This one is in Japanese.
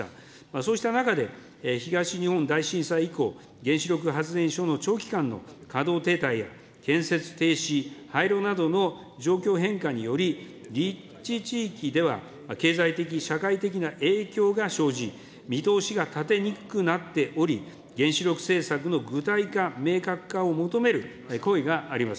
そうした中で、東日本大震災以降、原子力発電所の長期間の稼働停滞や、建設停止、廃炉などの状況変化により、立地地域では経済的、社会的な影響が生じ、見通しが立てにくくなっており、原子力政策の具体化、明確化を求める声があります。